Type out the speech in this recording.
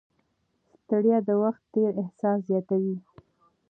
ستړیا د وخت د تېري احساس زیاتوي.